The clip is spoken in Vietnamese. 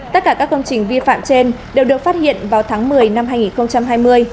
tất cả các công trình vi phạm trên đều được phát hiện vào tháng một mươi năm hai nghìn hai mươi